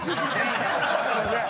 すいません。